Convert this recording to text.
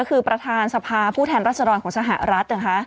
คือประธานสภาผู้แทนรัศดรของสหรัฐนะคะ